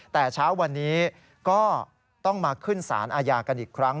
แต่เช้าวันนี้ก็ต้องมาขึ้นสารอาญากันอีกครั้ง